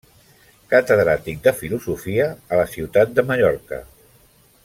Catedràtic de filosofia a la Ciutat de Mallorca.